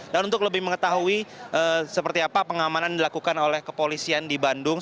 dan untuk lebih mengetahui seperti apa pengamanan dilakukan oleh kepolisian di bandung